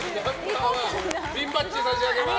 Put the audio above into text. ピンバッジ、差し上げます。